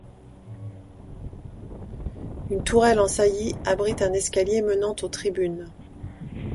Un tourelle en saillie abrite un escalier menant aux tribunes.